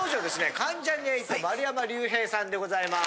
関ジャニ∞丸山隆平さんでございます。